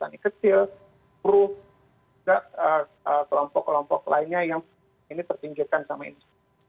dan kelompok kelompok lainnya yang ini tertinggikan sama itu